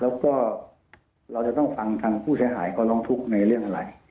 แล้วก็เราจะต้องฟังทางผู้เสียหายเขาร้องทุกข์ในเรื่องอะไร